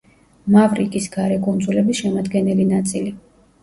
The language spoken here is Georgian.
მავრიკის გარე კუნძულების შემადგენელი ნაწილი.